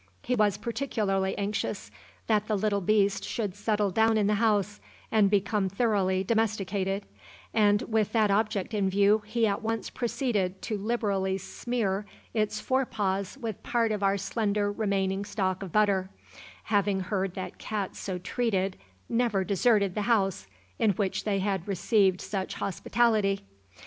He was particularly anxious that the little beast should settle down in the house and become thoroughly domesticated, and with that object in view he at once proceeded to liberally smear its fore paws with part of our slender remaining stock of butter, having heard that cats so treated never deserted the house in which they had received such hospitality.